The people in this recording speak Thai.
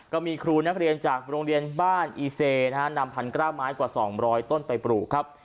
ก็มีครูนักเรียนจากโรงเรียนบ้านอีเซนะฮะนำพันกล้าไม้กว่า๒๐๐ต้นไปปลูกครับ